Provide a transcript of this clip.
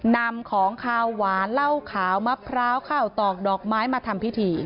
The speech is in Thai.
นำของขาวหวานเหล้าขาวมะพร้าวข้าวตอกดอกไม้มาทำพิธี